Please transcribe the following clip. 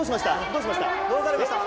どうされました？